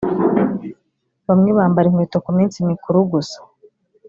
bamwe bambara inkweto ku minsi mikuru gusa